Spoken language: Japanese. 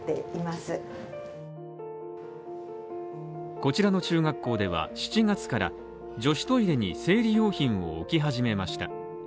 こちらの中学校では、７月から女子トイレに生理用品を置き始めました。